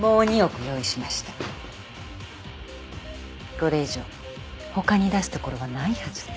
これ以上他に出すところはないはずです。